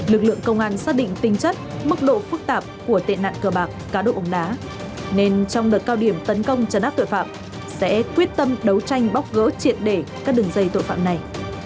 lực lượng công an xác định tinh chất mức độ phức tạp của tệ nạn cờ bạc cá độ bóng đá nên trong đợt cao điểm tấn công trấn áp tội phạm sẽ quyết tâm đấu tranh bóc gỡ triệt để các đường dây tội phạm này